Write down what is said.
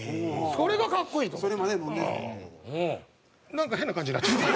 なんか変な感じになっちゃった。